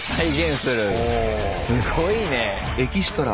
すごいね。